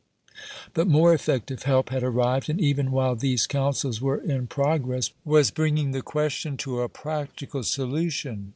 But more effective help had arrived, and even while these counsels were in pro gress, was bringing the question to a practical solution.